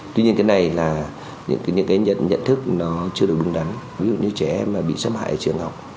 tuy nhiên cái này là những cái nhận thức nó chưa được đúng đắn ví dụ như trẻ em mà bị xâm hại ở trường học